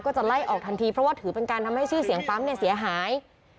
จะไล่ออกทันทีเพราะว่าถือเป็นการทำให้ชื่อเสียงปั๊มเนี่ยเสียหาย